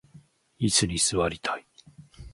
いすに座りたい